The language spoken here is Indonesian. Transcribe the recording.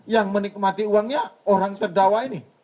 yang menikmati uangnya orang terdakwa ini